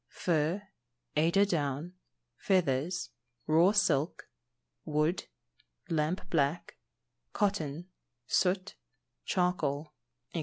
_ Fur, eider down, feathers, raw silk, wood, lamp black, cotton, soot, charcoal, &c.